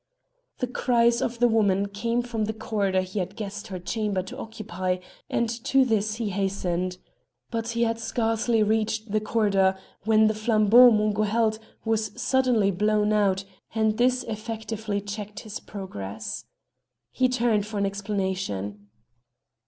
The cries of the woman came from the corridor he had guessed her chamber to occupy, and to this he hastened. But he had scarcely reached the corridor when the flambeau Mungo held was suddenly blown out, and this effectively checked his progress. He turned for an explanation.